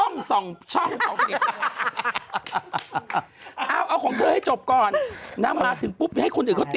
ไม่นะประดิษฐ์